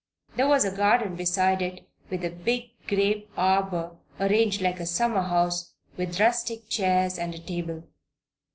There was a garden beside it, with a big grape arbor arranged like a summer house with rustic chairs and a table.